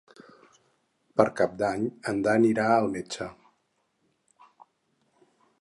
Per Cap d'Any en Dan irà al metge.